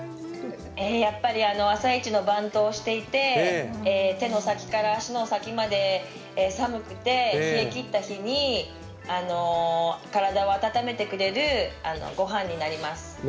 やっぱり朝市の番頭をしていて手の先から足の先まで寒くて冷えきった日に体を温めてくれるごはんになります。